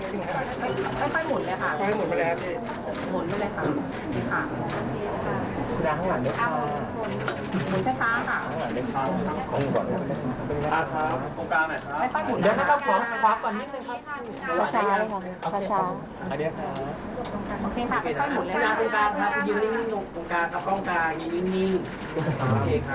อยู่อยู่นิ่งปกลางครับก่อนกลางอยู่นิ่ง